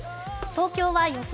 東京は予想